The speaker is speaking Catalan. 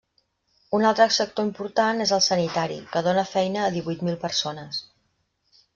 Un altre sector important és el sanitari, que dóna feina a divuit mil persones.